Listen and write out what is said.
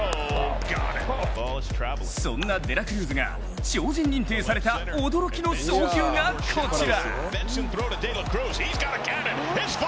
そんなデラクルーズが超人認定された驚きの送球がこちら。